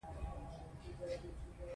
باز د لوړ اواز خاوند دی